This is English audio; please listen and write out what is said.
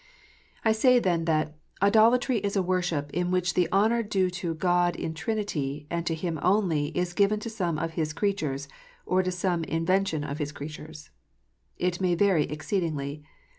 I say, then, that " idolatry is a worship in which the honour due to God in Trinity, and to Him only, is given to some of His creatures, or to some invention of His creatures" It may vary exceedingly.